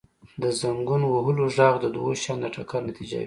• د زنګون وهلو ږغ د دوو شیانو د ټکر نتیجه وي.